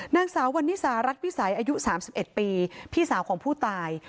นางสาววันนิสารัฐวิสัยอายุ๓๑ปีพี่สาวของผู้ตาย